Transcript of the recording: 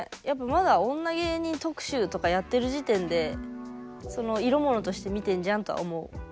やっぱまだ女芸人特集とかやってる時点で色物として見てんじゃんとは思う。